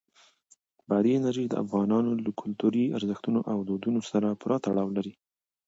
بادي انرژي د افغانانو له کلتوري ارزښتونو او دودونو سره پوره تړاو لري.